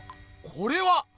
これは！